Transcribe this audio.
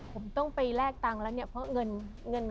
ผมต้องไปแรกตังค์แล้วเนี่ย